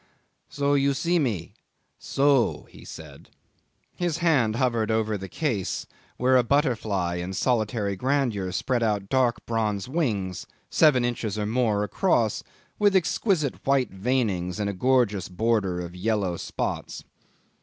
'"So you see me so," he said. His hand hovered over the case where a butterfly in solitary grandeur spread out dark bronze wings, seven inches or more across, with exquisite white veinings and a gorgeous border of yellow spots.